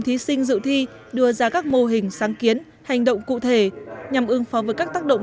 thí sinh dự thi đưa ra các mô hình sáng kiến hành động cụ thể nhằm ứng phó với các tác động